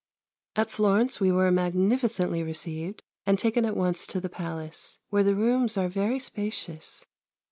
At Florence we were magnificently received, and taken at once to the Palace where the rooms are very spacious.